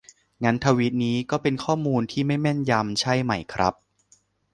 งั้นทวีตนี้ก็เป็นข้อมูลที่ไม่แม่นยำใช่ไหมครับ